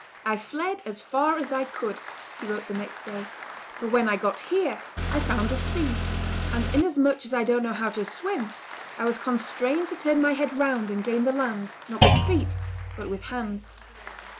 "I fled as far as I could," he wrote the next day, "but when I got here I found the sea; and, inasmuch as I don't know how to swim, I was constrained to turn my head round and gain the land, not with feet, but with hands."